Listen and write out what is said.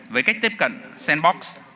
với cách tiếp cận sandbox